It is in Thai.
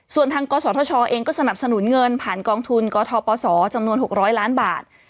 ส่วนทางกศธชเองก็สนับสนุนเงินผ่านกองทุนกทปศจำนวน๖๐๐ล้านบาท